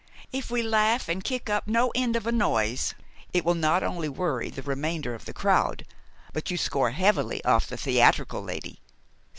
If we laugh and kick up no end of a noise, it will not only worry the remainder of the crowd, but you score heavily off the theatrical lady.